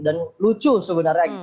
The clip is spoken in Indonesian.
dan lucu sebenarnya